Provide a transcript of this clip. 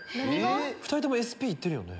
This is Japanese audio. ２人ともＳＰいってるよね。